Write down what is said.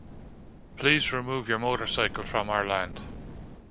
Please remove your motorcycle from our land.